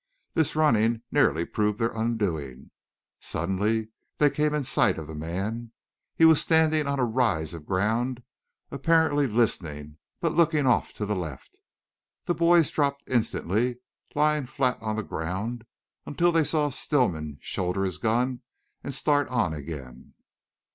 This running nearly proved their undoing. Suddenly they came in sight of the man. He was standing on a rise of ground, apparently listening, but looking off to the left. The boys dropped instantly, lying flat on the ground until they saw Stillman shoulder his gun and start on again.